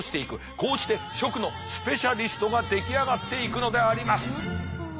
こうして食のスペシャリストが出来上がっていくのであります。